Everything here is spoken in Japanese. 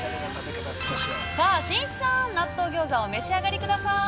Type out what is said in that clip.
◆さあ、しんいちさん、納豆餃子をお召し上がり下さい。